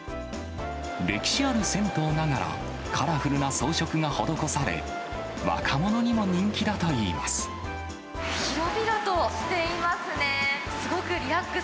歴史ある銭湯ながら、カラフルな装飾が施され、若者にも人気だと広々としていますね。